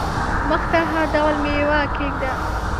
مخ ته هر ډول مېوه کښېږده !